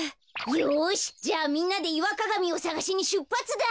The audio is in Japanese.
よしじゃあみんなでイワカガミをさがしにしゅっぱつだ。